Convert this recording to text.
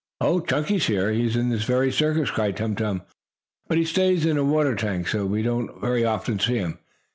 "Oh, Chunky is here, in this very circus!" cried Tum Tum. "But he stays in a water tank, so we don't very often see him.